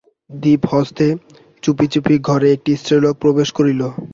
দীপ হস্তে চুপি চুপি ঘরে একটি স্ত্রীলোক প্রবেশ করিল।